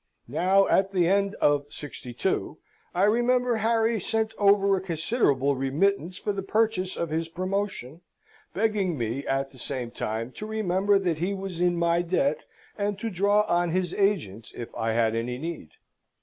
Now, at the end of '62, I remember Harry sent over a considerable remittance for the purchase of his promotion, begging me at the same time to remember that he was in my debt, and to draw on his agents if I had any need.